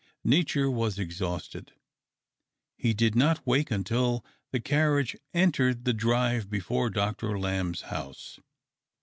Nature was exhausted. He did not wake until the carriage entered the drive before Dr. Lamb's house.